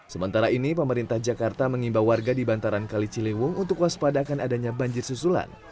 sementara ini pemerintah jakarta mengimbau warga di bantaran kali ciliwung untuk waspada akan adanya banjir susulan